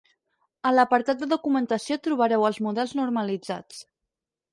A l'apartat de Documentació trobareu els models normalitzats.